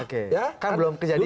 kan belum kejadian